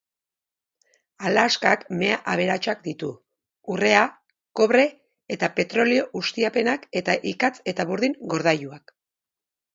Alaskak mea aberatsak ditu: urrea, kobre eta petrolio ustiapenak eta ikatz eta burdin gordailuak.